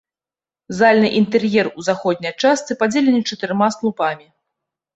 Зальны інтэр'ер у заходняй частцы падзелены чатырма слупамі.